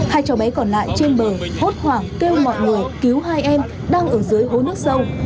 hai cháu bé còn lại trên bờ hốt hoảng kêu mọi người cứu hai em đang ở dưới hố nước sâu